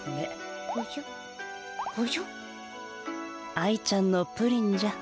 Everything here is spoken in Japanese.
愛ちゃんのプリンじゃ。